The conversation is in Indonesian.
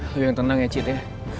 lo yang tenang ya cid ya